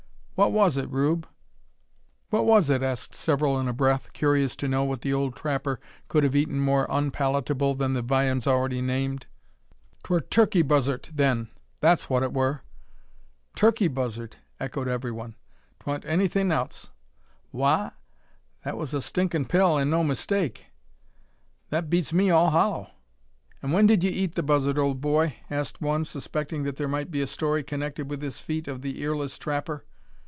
"What was it, Rube?" "What was it?" asked several in a breath, curious to know what the old trapper could have eaten more unpalatable than the viands already named. "'Twur turkey buzzart, then; that's what it wur." "Turkey buzzard!" echoed everyone. "'Twa'n't any thin' else." "Wagh? that was a stinkin' pill, an' no mistake." "That beats me all hollow." "And when did ye eat the buzzard, old boy?" asked one, suspecting that there might be a story connected with this feat of the earless trapper.